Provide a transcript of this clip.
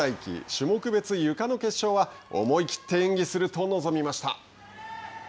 種目別ゆかの決勝は思い切って演技すると臨みました。